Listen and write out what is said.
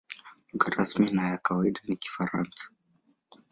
Lugha rasmi na ya kawaida ni Kifaransa.